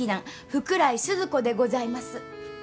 福来スズ子でございます。